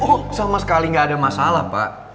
oh sama sekali nggak ada masalah pak